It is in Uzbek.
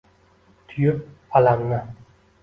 Tuyib alamni